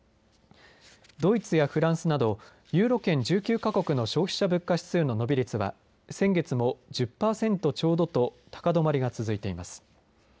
ドイツやフランスなどユーロ圏１９か国の消費者物価指数の伸び率は先月も１０パーセントちょうどと高止まりが続いています。